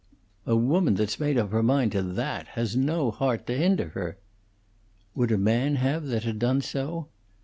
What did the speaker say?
"A woman that's made up her mind to that has no heart to hinder her!" "Would a man have that had done so?"